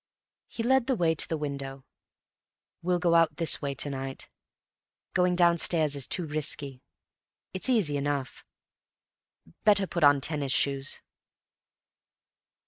He led the way to the window. "We'll go out this way to night. Going downstairs is too risky. It's easy enough; better put on tennis shoes."